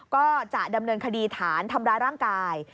ก็จะดำเนินคดีฐานทำร้ายร่างกาย